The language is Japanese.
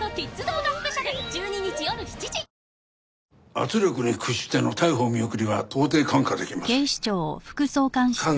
圧力に屈しての逮捕見送りは到底看過できません。